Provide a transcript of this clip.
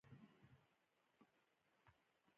هغه په څلور سوه پنځه ویشت هجري کال کې مړ شوی دی